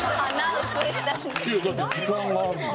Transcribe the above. いやだって時間があるんだから。